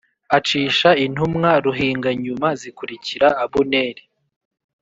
acisha intumwa ruhinganyuma zikurikira Abuneri